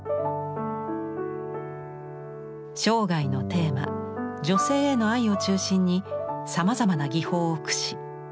生涯のテーマ女性への愛を中心にさまざまな技法を駆使。